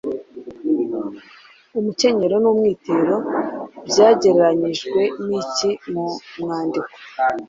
Umukenyero n’umwitero byagereranyijwe n’iki mu mwandiko?